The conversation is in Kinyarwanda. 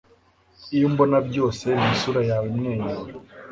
ibyo mbona byose ni isura yawe imwenyura